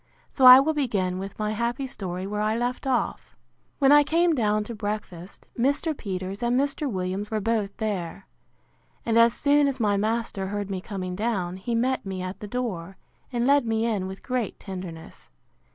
So I will begin with my happy story where I left off. When I came down to breakfast, Mr. Peters and Mr. Williams were both there. And as soon as my master heard me coming down, he met me at the door, and led me in with great tenderness.